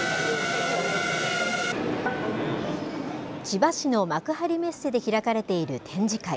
千葉市の幕張メッセで開かれている展示会。